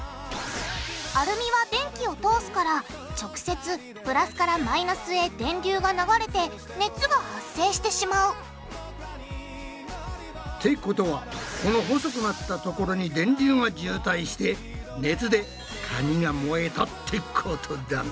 アルミは電気を通すから直接プラスからマイナスへ電流が流れて熱が発生してしまうってことはこの細くなったところに電流が渋滞して熱で紙が燃えたってことだな。